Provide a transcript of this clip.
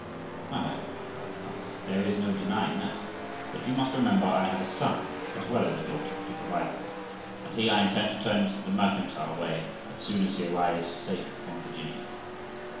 'Why, my lord', replied the planter, 'there is no denying that; but you must remember I have a son as well as a daughter to provide for, and he I intend to turn into the mercantile way as soon as he arrives safe from Virginia.